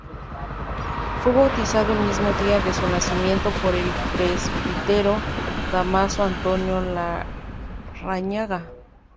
Fue bautizado el mismo día de su nacimiento por el Presbítero Dámaso Antonio Larrañaga.